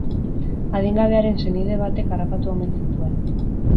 Adingabearen senide batek harrapatu omen zituen.